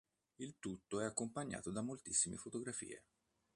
Il tutto è accompagnato da moltissime fotografie.